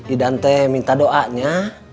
idante minta doanya